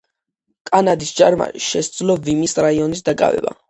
კანადის ჯარმა შესძლო ვიმის რაიონის დაკავება.